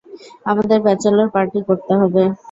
আমাদের bachelor party করতে হবে।